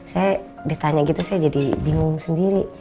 saya ditanya gitu saya jadi bingung sendiri